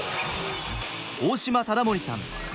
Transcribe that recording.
大島理森さん。